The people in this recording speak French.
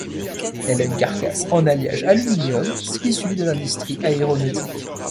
Elle a une carcasse en alliage d'aluminium issu de l'industrie aéronautique.